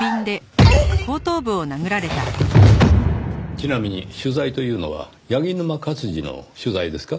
ちなみに取材というのは柳沼勝治の取材ですか？